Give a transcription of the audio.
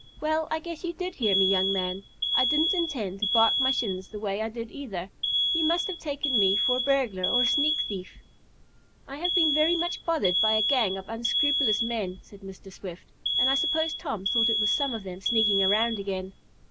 "Well, I guess you did hear me, young man. I didn't intend to bark my shins the way I did, either. You must have taken me for a burglar or a sneak thief." "I have been very much bothered by a gang of unscrupulous men," said Mr. Swift, "and I suppose Tom thought it was some of them sneaking around again."